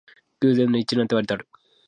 偶然の一致なんてわりとある